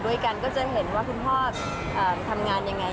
ด้วยกันก็จะเห็นว่าคุณพ่อทำงานยังไง